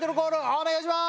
お願いしまーす